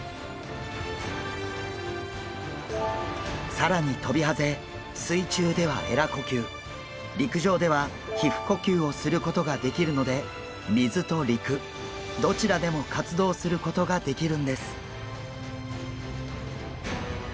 更にトビハゼ水中ではえら呼吸陸上では皮ふ呼吸をすることができるので水と陸どちらでも活動することができるんです。